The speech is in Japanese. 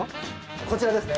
こちらですね